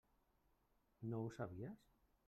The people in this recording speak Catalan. No ho sabies?